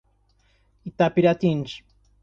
Itapiratins